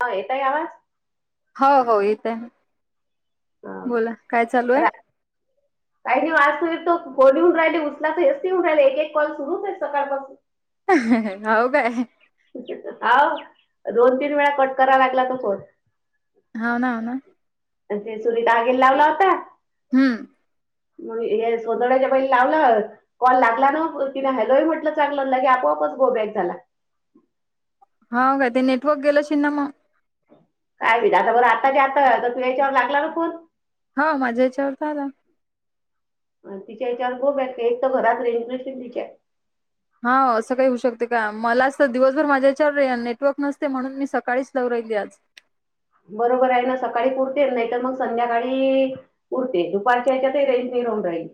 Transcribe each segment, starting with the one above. हां.. येतंय आवाज. हो हो येथय. हा. बोला काय चालू आहे? काही दि वास तो गोडीऊन राहिली उसलाच एतीऊन राहिले एक एक कॉल सुरूच आहे सकाळपासून. हाव काय. हाव दोन तीन वेळा कट करा लागला तो फोन. हो ना हो ना. ते सुरीत आगिल लावला होता. हम्म. मग हे सकाळच्या वेळेत लावलंत. कॉल लागला ना तिने हॅलो ह म्हटलं चांगलं की आपोआपच गो बॅक झाला. हा काय ते नेटवर्क गेलशिंना मग. काय मी दासा बर आता ज आतं तर तू याच्यावर लागला ना फोन. हा माझ्या या्याच्यावर तर आला. अ तिच्या याच्यावर गो बॅक एक तर घरात रेज नसतेन तिच्या. हा असं काही होऊ शकते का, मला असं दिवसभर माझ्या याच्यावर नेटवर्क नसते म्हणून मी सकाळीच लावू राहिली आज. बरोबर आहे ना सकाळी पुरते, नाहीतर मग संध्याकाळी पुरते दुपारच्याच्याही रेंज नाही राऊन राहील.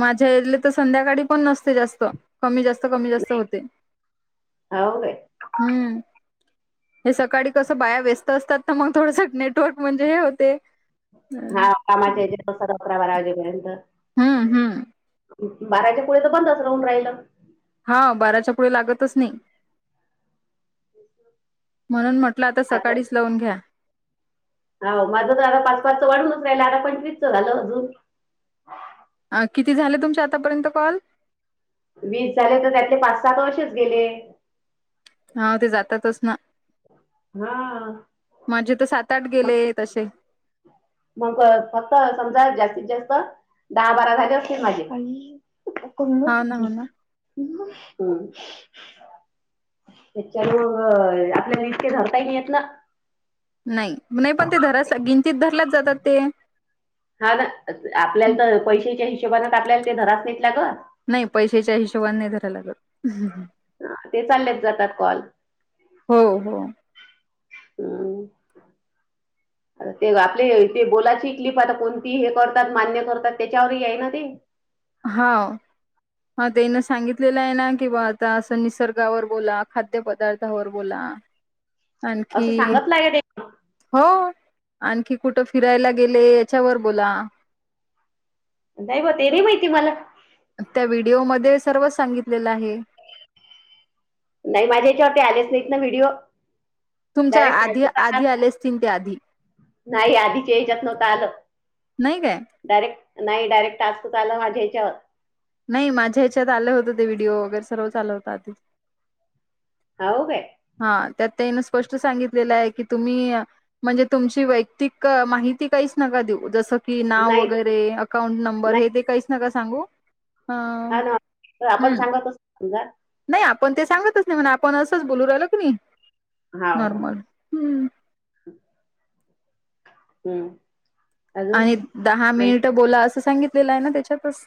माझ्या येले तर संध्याकाळी पण नसते जास्त. कमी जास्त कमी जास्त होतंय, हाव काय. हम्म. हे सकाळी कसं बाया व्यस्त असतात ना मग थोडसं नेटवर्क म्हणजे हे होते. हम्म हा कामाच्या ह्याच्यात अकरा बारा वाजेपर्यंत. हम्म हम्म. बाराच्या पुळे तर बंदच राहून राहिलं. हा बाराच्या पुढे लागतच नाही. म्हणून म्हटलं आता सकाळीच लावून घ्या. हो माझं तर आता पाच पाचं वाढूनच राहिलं आता पंचवीसचं झालं अजून. अ किती झाले तुमच्या आतापर्यंत कॉल? वीस झाले तर त्यातले पाच साहा तर आसेच गेले. हा ते जातातच ना. हा माझे तर सात आठ गेले तसे. मग फक्त समजा जास्तीत जास्त दहा बारा झाले असतील माझे. हां ना, हो ना. [unintelligible] त्याच्यावर मग आपल्या [unintelligible] घेतला. नाही नही पण ते धरस गिंनतीत धरल्याच जातात ते. हा ना आपल्याला तर पैशाच्या हिशोबान आपल्याला ते धराच नेतला ग. नाही पैशच्या हिशोबान नाही धरायला लागत. ते चाललेच जातात कॉल. हो हो. हम्म. [inaudible] आ ते आपले ते बोलायची क्लिप आता कोणती हे करतात मान्य करतात त्याच्यावरही आहे ना ते. हाव. हा तेन सांगितलेलं आहे ना कि बा आता असं निसर्गावर बोला, खाद्य पदार्थ थावर बोला असं आणखी सांगतलं आहे ते हो, आणखी कुठं फिरायला गेले याच्यावर बोला. नायबा ते भी माहिती मला. त्या व्हिडिओमध्ये सर्व सांगितलेलं आहे. नाही माझ्या याच्यावरती आलेच नाहीत ना ते व्हिडिओ. तुमच्या डायरेक्ट आधी आधी टास्क आले आसतीन ते आधी. नाही आधीचे हच्यात नव्हतं आलं. नाही काय. डायरेक्ट नाही डायरेक्टास्क चाला माझ्या याच्यावर. नाही माझ्या ह्याच्यात आलं होतं ते व्हिडिओ वगैरे सर्व चालत होता आधी. हावू काय. हा त्यात त्यान स्पष्ट सांगितलेलं आहे की तुम्ही. म्हणजे तुमची वैयक्तिक माहिती, काहीच नका देऊ जसं. की नाव नाही वगैरे अकाउंट नंबर हे नाही ते काहीच नका सांगू. अ हा हम्म ना तर आपण सांगत अस समजा. नाही आपण ते सांगतच नाही म्हणा आपण असंच बोलू राहिलो की नाही. हा हा नॉर्मल हम्म. हम्म.. अजून आणि दहा मिनिट बोला असं, सांगितलेलं आहे ना तेच्यातच.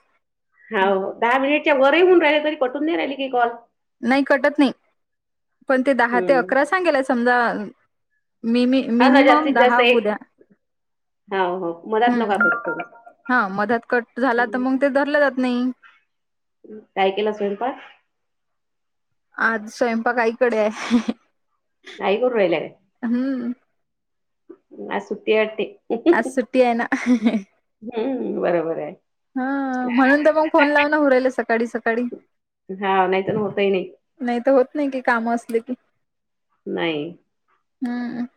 हो दहा मिनिटच्या वरही होऊन राहिले तरी कटून नाही राहिले की कॉल. नाही कटत नाही पण ते दहा ते हम्म. अकरा सांगेल समजा मी-मी. हा ना मिनिमम जास्तीत जास्त दहा एक घोद्या हा हो मधात नका हम्म. कट करू. हा मधत कट झाला तर मग, ते धरलं जात नाही. काय केला स्वयंपाक. आज स्वयंपाक आईकडे हाय. घाई कुरू राहिल्या काय. हम्म.. आज सुट्टी आहे वाटते. आज सुटी आहे ना. हम्म बरोबर आहे. हा म्हणून तर मग नवऱ्याल फोन लावून सकाळी सकाळी. हा नाही तर होतही नाही नाही तर होत नाही की काम असले की. नाही. हम्म..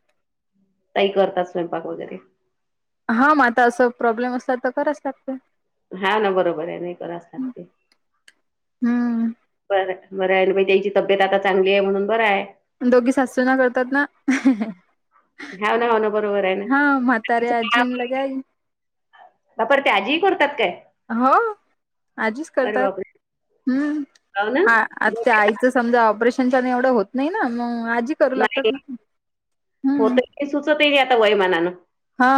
आई करतात स्वयंपाक वगैरे. हा मग आता असं प्रॉब्लेम असतात तर कराच लागते. हा ना बरोबर आहे नाही करा लागते. हम्म.. बर बरं आहे आणि त्यांची, तब्येत आता चांगली आहे म्हणून बरं हाय. दोघी सासूसूना करतात ना. हो ना, हो ना बरोबर आहे ना. हा म्हातारे आजीन लगे आई बापरे ते आजी करतात काय. हो आजीच अरे करतात बापरे हम्म हाव ना आ आता ते आई. समजा ऑपरेशनच्या एवढं होत नाही ना मग आजी करू लागतात नाही ना. हम्म होतंय सुचत ये नाही, आता वयमानानं. हा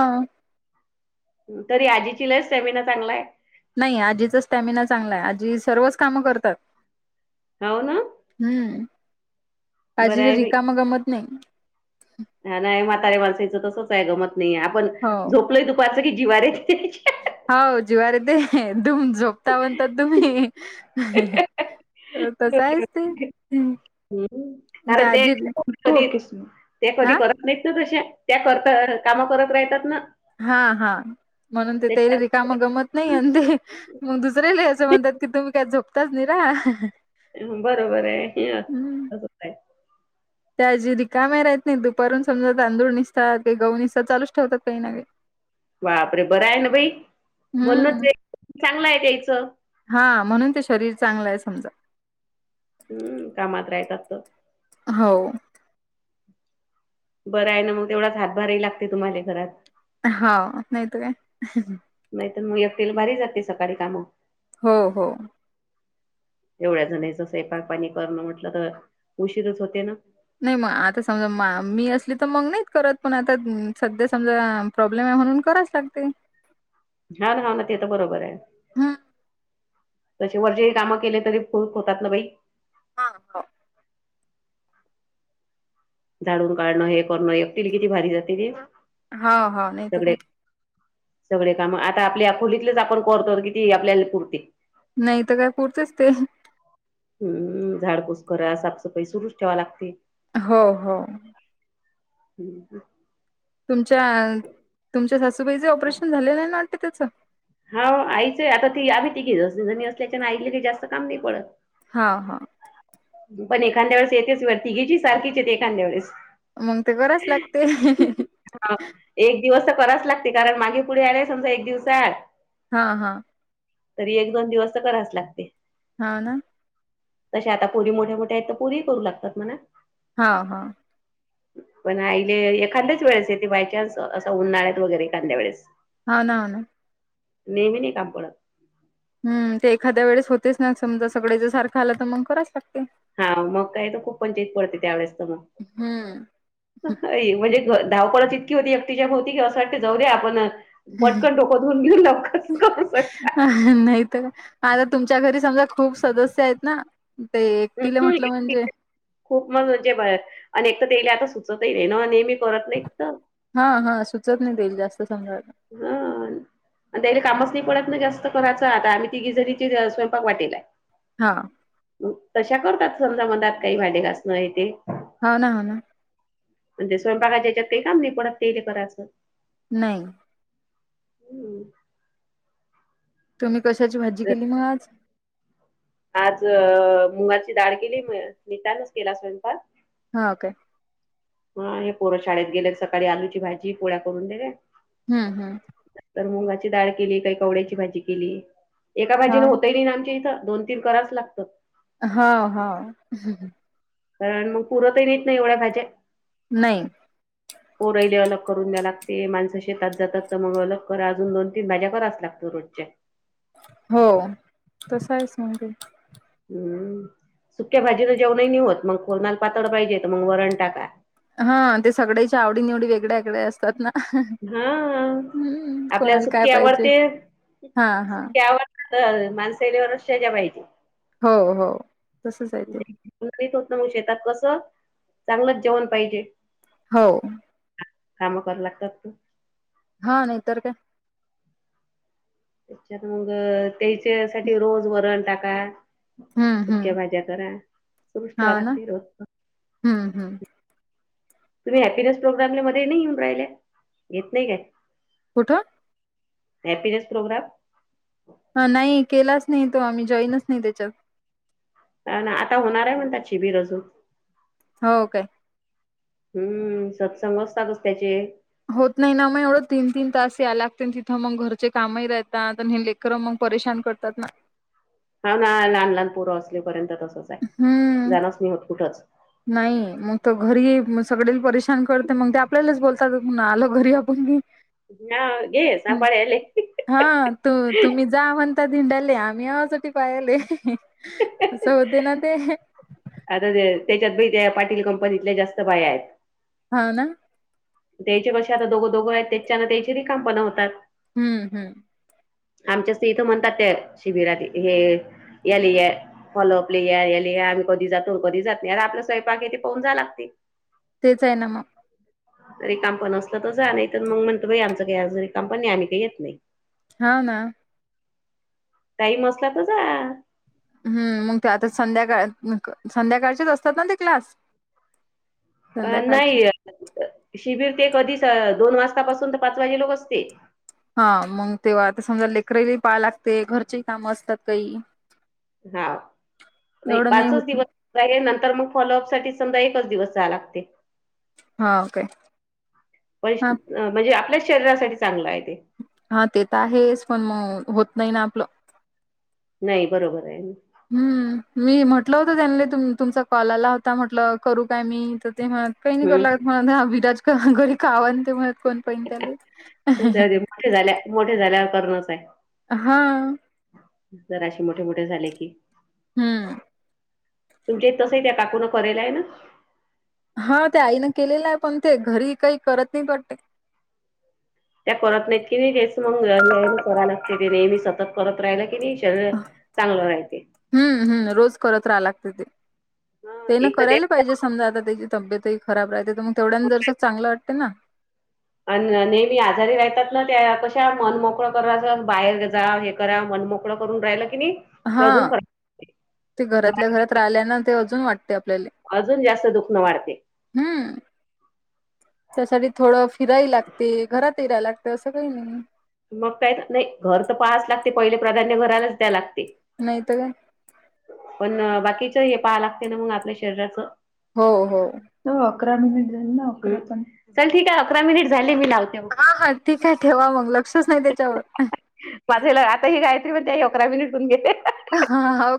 तरी आजीची लैच स्टॅमिना चांगला आहे. नाही आजीचा स्टॅमिना चांगला आहे, आजी सर्वच कामं करतात. हो ना. हम्म आजी बरं आहे बाई रिकाम गमत नाही. हा नाही म्हातारे माणसाचं तसच आहे गमत नाहीे आपण हो झोपलोय. पाच च की जिवारेच. हाऊऊ जेवारे ते दुम झोपता बनतात तुम्ही. अ तसं आहेच ते. हंम्म कारण ते ते अ कधी करत नाहीत त्या तशा त्या करता काम करत राहतात ना. हा हा. म्हणून ते तेरी त्याच्या रिक. काम गमत नाही आणि ते मग दुसरे ले असं म्हणतात. की तुम्ही काय झोपताच नि रा. बरोबर ये असंच हाय. त्या आजी रिकामे राहत नाही दुपारून समजा तांदूळ निसतात काही गहू निसतात चालच ठेवतात काही ना काही [inaudible] बापरे बरं आहे ना बाई, म्हणूनच हम्म एक चांगलं द्यायचं. हा म्हणून ते शरीर चांगलं हाय समजा. हम्म काम मात्र येतातच. हाव. बरं आहे ना मग तेवढाच हातभारही लागते तुम्हाला घरात. हांव नाही तर काय. नाही तर मग एकटीला बारी जाते सकाळी कामं. हो हो. एवढ्या जणांचा स्वयंपाक पाणी करनं म्हटलं तर उशीरच होते ना. नाही म आता समजा मा मी असली तर मंग नाहीत करत पण आता सध्या समजा प्रॉब्लेम हाय म्हणून करायच लागतय. हाव ना हाव ना ते तर बरोबर हाय. हं, तशे वरचेही कामं केले तरी फुरुक होतात ना बाई. हा होव. झाडून काढणं हे करणं एकटीला किती भारी जाते ते. हाव हाव नाही तर सगळे काय. सगळे काम आता आपल्या खोलीतलेच आपण करतो किती आपल्या पुरती. नाय तर काय पुरचस ते. हम्म झाडपूस करा साफसफाई सुरुच ठेवा लागते. हो हो. हम्म. तुमच्या तुमच्या सासूबाईचे ऑपरेशन झालेलं आहे ना वाटते त्याचं. हाव आईचे आहे आता ती आम्ही तिघे जणी असल्याच्यां आईले काय जास्त काम नाही पडत. हा हा. पण एखांद्या वळेस येतेस व तिघेची सारखीच येते एखांद्या वेळेस. मग ते कराच लागते. हाव एक दिवस तर कराच लागते कारण मागे पुढे आले समजा एक दिवस आड हा हा. तरी एक दोन दिवस तर करायच लागते. हा ना? तशे आता पोरी मोठ्या-मोठ्या हायत तर पोरी ही करू लागतात म्हणा. हा हा. पण आहिले एखांद्याच वेळेस येते बाय चान्स अ असा उन्हाळ्यात वगैरे एखांद्या वेळेस. हाव ना हाव ना. नेहमी नाय काम पडत. हम्म ते एखाद्या वेळेस होतेच ना समजा सगळे जण सारखं आला तर मग करायच लागते. हा मग काही तर खूप पंचायत पडते त्यावेेळेस तर म. हम्म. हाय म्हणजे घ धावपळच इतकी होती एकटीच्या भोवती की असं वाटते जाऊ दे आपण पटकन डोकं धुऊन घेऊन. [unintelligible] नाहीत काय आता तुमच्या घरी समजा खूप सदस्य आहेत ना. ते एकटीला म्हटलं म्हणजे खूप मगज आहे आणि एक तर तेले आता सुचत ही नाही ना नेहमी करत नाहीत तर. हा हा सुचत नाही तेल जास्त समजायला. हा. आणि तेईले कामच नाही पडत ना जास्त करायचं आता आम्ही तिघी जणीचे ज स्वयंपाक वाटेलाय. हां. तशा करतात समजा मदात काय भांडी घासणे ये ते. हाव ना हाव ना. म्हणज स्वयंपाकाच्या ह्याच्यात काय काम नाही पडत तेई बराचं [unintelligible] नाई.. हम्म. तुम्ही कशाची भाजी केली मग आज? आज मुंगाची डाळ केली नीता नच केला स्वयंपाक. हा काय? हा हे पोरं शाळेत गेले सकाळी आलूची भाजी पोळ्या करून दिल्या. हम्म हम्म. तर मुगाची डाळ केली काय कवळ्याची भाजी केलि. एका हा भाजीन होतइ नई ना की इथं दोन तीन कराच लागतं. हा हा. कारण मग, पुरतही नईत ना एवढ्या भाज्या. नई. पोरहिले अलग करून द्या लागते, माणसं शेतात जातात त मग अलग करा, अजून दोन तीन भाज्या कराच लागतात. दररोजच्या. हो. तस हायेच म्हणजे. हम्म. सुक्या भाजीनं जेवणही नई होत, मग कोनाल पातळ पाहिजेे तर मंग वरण टाका. हा. ते सगळ्याच्या आवडी निवडी वेगड्या वेगळ्या असतात ना. हा हम्म आपल्याला कोणाला काय सुक्क्यावर पाहिजे ते हा हा सुक्क्यावर तर माणसाया [unintelligible] पाहि हो हो तसच आहे ते. [unintelligible] शेतात कसं चांगलंच जेवण पाहिजे. हो. काम कराय लागतातत. हा नई तर काय? तर मंग त्याच्या साठी रोज वरण टाका. हम्म सुक्या हम्म भाज्या करा सुरूच ठेवा लागते रोजच. हा. हा. तुम्ही हॅपीनेस प्रोग्राम ले मध्ये नई येेऊन राहिल्या येत नई काय? कुठं? Happiness programme. हा नई केलाच नई तो आम्ही जॉईनच नई त्याच्यात. हा ना. आता होणार आहे म्हणतात शिबिर अजून. हो काय? हम्म. सत्संग असतातच त्याचे. होत नई ना मग एवढं तीन, तीन तास या लागते. तिथं मग घरचे कामही राहतात. लेकरं मग परेशान करतात ना? हाव ना लहान लहान पोर असलेपर्यंत तसं. हम्म. नई होत कुठंच. नाही मग तर घरी सगळे परेशान करते मग, ते आपल्यालाच बोलतात पुन्हा आलं घरी आपण की. हा घे सांबाळ याले. हा तू तुम्ही जा म्हणतात हिंडायले आम्ही हाओत पायले. असं होते ना ते. आता त्या त्याच्यात बी त्या पाटील कंपनीतल्या जास्त बाया हायेत. हा ना? द्यायचे कशे आता दोघं दोघं हायेत त्याच्यानं त्याचे काम पण होतात. हम्म. हम्म. आमच्याच इथं म्हणतात त्या शिबिरात हे यालेया. फॉलोपले या, यालेया आम्ही कधी जातो, कधी जात नई, आर आपला स्वयंपाक येथे पाहून जा लागते तेच हाय ना मग. रिकामपन असलं तर जा नई तर मग, म्हणतंई बई आमचं कई आज रिकामपन नई आम्ही काई येत नई. हाव ना. टाइम असला तर जा. हम्. मंग ते आता संध्याकाळ संध्याकाळचेच असतात ना ते क्लास? अ संध्याकाळचे नाही शिबिर ते कधी दोन वाजतापासून तर पाच वाजे लोक असते. हा मग तेव्हा आता समजा लेकरालाही पहाय लागते, घरचेही काम असतात काही. हा नाही एवढं पाचच होत दिवस नंतर मग फॉलोअपसाठी समजा एकच दिवस जाया लागते. हा. ओके. पण म्हणजे आपल्याच शरीरासाठी चांगलं आहे ते. हा ते तर आहेच पण मग होत नाही ना आपलं. नाही बरोबर आहे नाही. हम्म. मी म्हटलं होत त्यांनले तुमचा कॉल आला होता, म्हटलं करू काय मी तर ते म्हणत काही नाही करू हम्म लागतं. [unintelligible] विराज घरी कावान ते म्हणत कोण पण त्याले. जाऊदे मोठे झाल्या मोठे झाल्यावर करणच आहे. हा. जरा असे मोठे मोठे झाले की. हम्म. तुमच्या तसं त्या काकूनं करेल आहे ना. हा ते आईनं केलेलं आहे पण ते घरी काही करत नाहीत वाटत. त्या करत नाहीत की नाही तेच मग नेहमी करा लागते. ते नेहमी सतत करत राहिलं की नाही शरीर चांगलं राहते. हम्म हम्म, रोज करत राह लागते ते. ह ते ना एक तर करायला पाहिजे. समजा आता त्याची तब्येतही खराब राहते तर मग तेवढ्यांना जरस चांगलं वाटते ना. अ नेहमी आजारी राहतात ना, त्या कशा मन मोकळं कराच अस बाहेर जा हे जरा मनमोकळ करून राहिला कि नाही हा ते अजून फर ते घरातल्या घरात राहिल्याना ते अजून वाटते आपल्याला. अजून जास्त दुखनं वाढते. हम्म. तस बी थोडं फिरायला लागते घरातयला लागत असं काही नाही. मग काय नाही घर तर पहाच लागते पहिले प्राधान्य घरालाच द्या लागते. नाही तर काय? पण बाकीच हे पाहा लागते ना, हे मग आपल्या शरीराचं. हो. हो. हो अकरा मिनिट झाली ना आकरा पण, चल ठीक आहे अकरा मिनिट झाले मी लावतो. हा हा ठीक आहे ठेवा, मग लक्षच नाही त्याच्यावर. माझं आता ही गायत्री म्हणते ही अकरा मिनिटतून घेते. हाव.